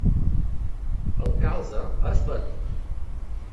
El calze és verd.